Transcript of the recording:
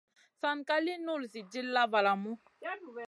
San ka lì nul Zi dilla valamu.